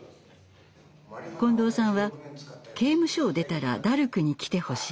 近藤さんは「刑務所を出たらダルクに来てほしい。